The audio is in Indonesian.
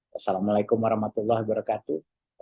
wassalamualaikum warahmatullah wabarakatuh